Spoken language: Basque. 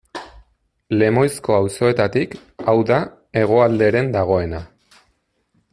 Lemoizko auzoetatik, hau da hegoalderen dagoena.